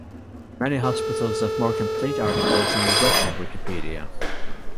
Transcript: Many hospitals have more complete articles in the Russian Wikipedia.